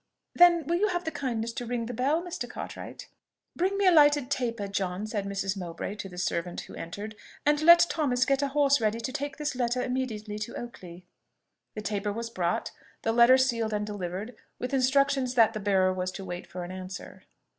"Then will you have the kindness to ring the bell, Mr. Cartwright?" "Bring me a lighted taper, John," said Mrs. Mowbray to the servant who entered; "and let Thomas get a horse ready to take this letter immediately to Oakley." The taper was brought, the letter sealed and delivered, with instructions that the bearer was to wait for an answer.